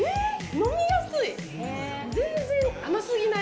飲みやすい。